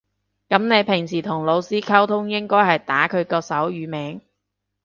噉你平時同老師溝通應該都係打佢個手語名